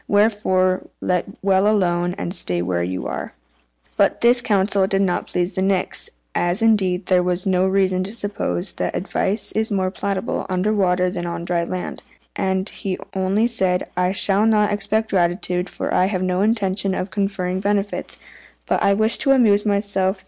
Wherefore let well alone, and stay where you are." But this counsel did not please the Nix (as, indeed, there is no reason to suppose that advice is more palatable under water than on dry land) and he only said, "I shall not expect gratitude, for I have no intention of conferring benefits; but I wish to amuse myself.